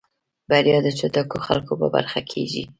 بريا د چټکو خلکو په برخه کېږي.